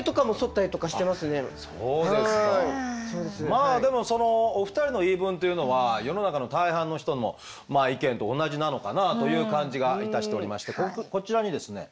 まあでもそのお二人の言い分というのは世の中の大半の人の意見と同じなのかなという感じがいたしておりましてこちらにですね